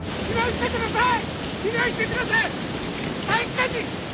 避難してください！